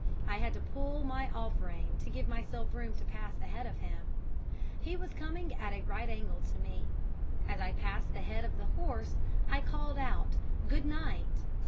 I had to pull my off rein to give myself room to pass ahead of him; he was coming at a right angle to me. As I passed the head of the horse I called out "Good night."